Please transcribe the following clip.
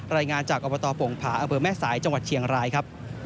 รายงานจากอบตโป่งผาอำเภอแม่สายจังหวัดเชียงรายครับ